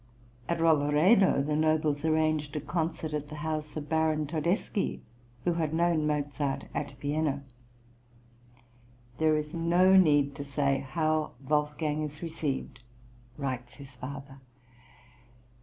At Roveredo the nobles arranged a concert at the house of Baron Todeschi, who had known Mozart at Vienna. "There is no need to say how Wolfgang is received," writes his father.